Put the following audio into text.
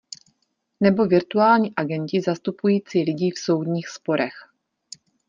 Nebo virtuální agenti zastupující lidi v soudních sporech.